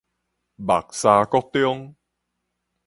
木柵國中